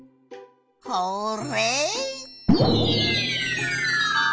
ホーレイ！